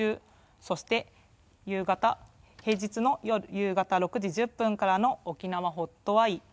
そして、平日の夕方６時１０分からの「おきなわＨＯＴｅｙｅ」。